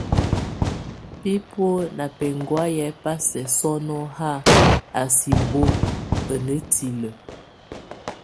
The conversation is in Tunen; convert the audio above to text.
Bíbo mzba beŋgwáye bá sɛk sɔ́nɔ ha a sɛk bo a netile.